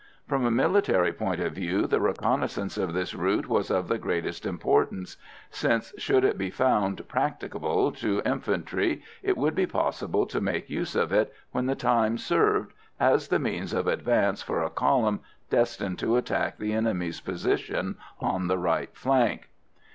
From a military point of view the reconnaissance of this route was of the greatest importance, since, should it be found practicable to infantry, it would be possible to make use of it, when the time served, as the means of advance for a column destined to attack the enemy's positions on the right flank.